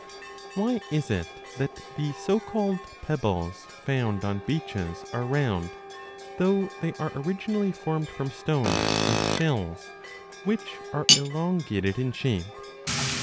WHY is it that the so called pebbles found on beaches 15 30 are round, though they are originally formed from stones and shells which are elongated in shape